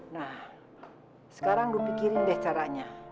nah sekarang gue pikirin deh caranya